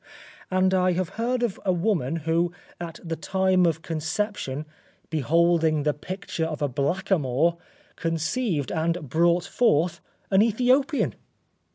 And I have heard of a woman, who, at the time of conception, beholding the picture of a blackamoor, conceived and brought forth an Ethiopian.